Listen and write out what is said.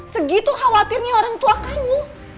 segitu khawatirnya orang tua kamu